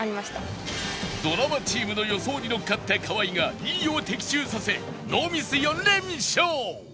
ドラマチームの予想にのっかった河合が２位を的中させノーミス４連勝